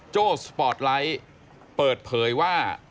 โจ้สปอร์ตไลท์เปิดเผยว่า